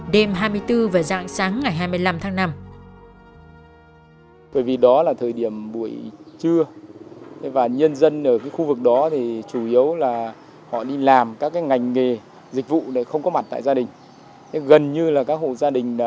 đêm hai mươi bốn và dạng sáng ngày hai mươi năm tháng năm